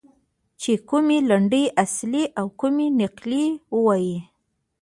چې کومې لنډۍ اصلي او کومې نقلي ووایي.